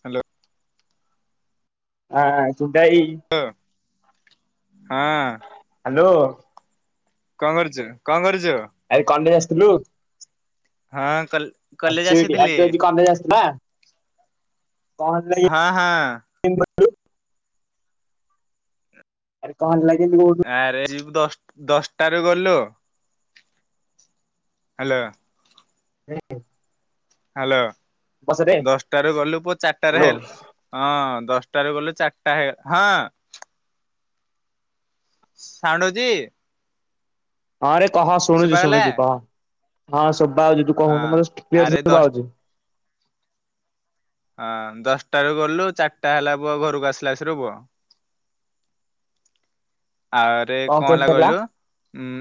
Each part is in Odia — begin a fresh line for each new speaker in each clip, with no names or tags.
ହ୍ୟାଲୋ।
ହଁ ଚୁଟାଇ।
ହଁ।
ହ୍ୟାଲୋ।
କଣ କରୁଚୁ, କଣ କରୁଚୁ।
ଆରେ କଲେଜ୍ ଆସିଥିଲୁ।
ହଁ କଲ କଲେଜ ଆସିଥିଲି
[unintelligible] କଣ ହେଲା କି
ହଁ ହଁ।
[inaudible] କଣ ହେଲା କି ଏମିତି କହୁଛୁ
ଆରେ ଦଶ୍ ଦଶଟାରୁ ଗଲୁ। ହ୍ୟାଲୋ।
[inaudible]
ହ୍ୟାଲୋ
ପଛରେ
ଦଶଟାରୁ ଗଲୁ ପୁଅ ଚାରିଟାରେ
ହ୍ୟାଲୋ
ହେଲା ହଁ ଦଶଟା। ଟାରେ ଗଲେ ଚାରିଟା ହେ ହଁ। [unintelligible]
ହଁରେ କ ଶୁଣୁଛି
ଶୁଭାଗଲା
ଶୁଣୁଛି କହ ହଁ। ଶୁଭା ଜାଉଛି ତୁ
ହଁ
କହୁନୁ ମତେ କ୍ଲିଅର୍
ଆରେ ଦଶ
ଶୁଭା ହଉଛି।
ହଁ ଦଶଟାରୁ ଗଲୁ ଚାରିଟା ହେଲା ପୁଅ ଘରକୁ ଆସିଲା ଆସିଲୁ ପୁଅ। ଆରେ କଣ ହେଲା କହିଲୁ ଉଁ।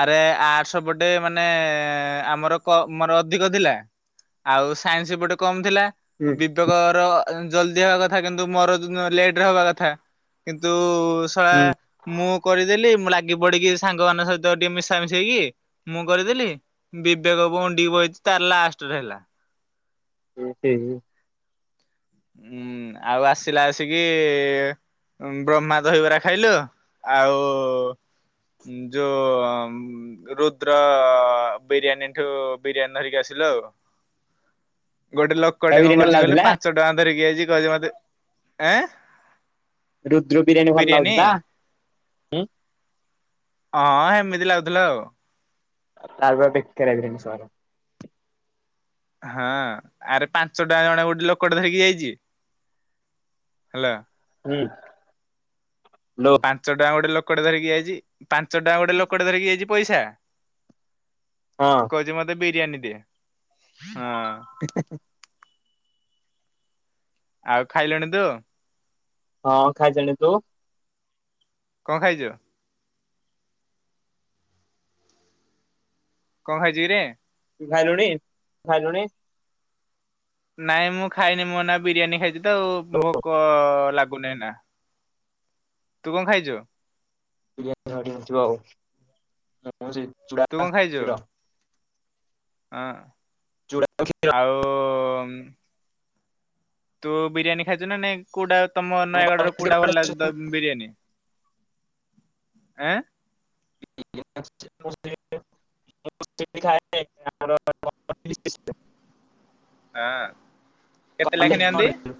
ଆରେ ଆର୍ସପଟେ ମାନେ ଆମର କମ୍ ଅଧିକ ଥିଲା, ଆଉ ସାଇନ୍ସ ପଟେ କମ୍ ଥିଲା
ହୁଁ
ବିବେକର। ଜଲଦି ହେବା କଥା କିନ୍ତୁ ମୋର ଲେଟ୍ ରେ ହବା କଥା କିନ୍ତୁ କୌଶଳା
ହୁଁ
ମୁଁ କରିଦେଲି ମୁଁ ଲାଗି ପଡି଼କି ସାଙ୍ଗମାନାନଙ୍କ ସହିତ। ତ ଟିକେ ମିଶା ମିଶେଇକି ମୁଁ କରିଦେଲି ବିବେକ ଭଉଣୀ ଟି ବହିଛି ତାର ଲାଷ୍ଟରେ ହେଲା।
[unintelligible] [inaudible]
ଉଁ ଆଉ ଆସିଲା ଆସିକି। ବ୍ରହ୍ମା ଦହିବରା ଖାଇଲୁ ଆଉ। ଯୋଉ ରୁଦ୍ର ବିରିୟାନୀ ଏଠୁ ବିରିୟାନୀ ଧରିକି ଆସ। ହ୍ୟାଲୋ।
[inaudible]
ଗୋଟେ
ତା
ଲୋକଟେ କଣ
ବିରିୟାନୀ ଭଲ
କରିଛି କହିଲେ
ଲାଗୁଥିଲା
ପାଞ୍ଚ ଟଙ୍କା ଧରିକି ଆଇଛି କ‌ଉଚି ମତେ।
ରୁଦ୍ର ବିରିୟାନୀ ଭଲ ଲାଗୁଛି ନା।
ହଁ ହେମିତି ଲାଗୁଥିଲା ଆଉ।
ତା ର ପୂରା ବେକାରିଆ ଜିନିଷ।
ହଁ ଆରେ ପାଞ୍ଚ ଟା ଜଣ ଗୋଟେ ଲୋକଟ ଧରିକି ଯାଇଛି। ହେଲୋ।
ହୁଁ। ଲୋ
ପାଞ୍ଚ ଟା ଗୋଟେ ଲୋକଟେ ଧରିକି ଆଇଚି ପାଞ୍ଚ ଟଙ୍କା ଲୋକ ଟେ। ପଇସା
ହଁ
କ‌ଉଚି ମତେ ବିରିୟାନୀ ଦେ। ଆଉ ଖାଇଲଣି ତୁ।
ହଁ ଖାଇସାଇଲିଣି ତୁ।
କଣ ଖାଇଛୁ। କଣ ଖାଇଛୁ କି ରେ।
ଖାଇଲୁଣି ଖାଇଲୁଣି।
ନାଇଁ ମୁଁ ଖାଇନି ମୋ ନା ବିରିୟାନୀ ଖାଇଛି ତ ଆଉ
ଲୋ
ଭୋକ ଲାଗୁନାଇ ଏନା। ତୁ କଣ ଖାଇଚୁ।
ଚୂଡା ଷୀର।
ହ
ଚୁଡା କ୍ଷୀର
ଆଉ। ତୁ ବିରିୟାନୀ ଖାଇଲୁ ନା ନାହିଁ। ତମ
ଆମ
ନୟାଗଡ଼ରେ
କଲେଜ
କୁଡା ଭଲ ଲାଗୁଛି
କେବେ
ବିରିୟାନୀ ଆଃ। ହଁ କେତେ ଲେଖା ନିଅନ୍ତି?
କ [inaudible]